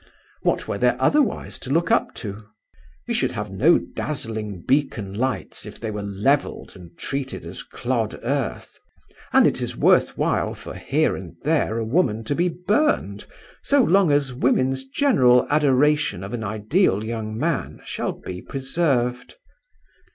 What were there otherwise to look up to? We should have no dazzling beacon lights if they were levelled and treated as clod earth; and it is worth while for here and there a woman to be burned, so long as women's general adoration of an ideal young man shall be preserved.